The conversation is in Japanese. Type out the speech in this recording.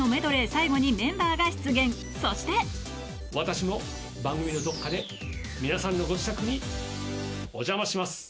最後にメンバーが出現そして私も番組のどこかで皆さんのご自宅にお邪魔します。